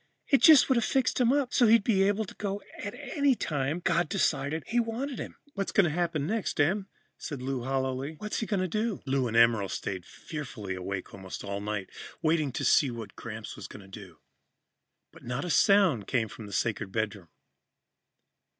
It just would have fixed him up so he'd be able to go any time God decided He wanted him." "What's going to happen next, Em?" said Lou hollowly. "What's he going to do?" Lou and Emerald stayed fearfully awake almost all night, waiting to see what Gramps was going to do. But not a sound came from the sacred bedroom.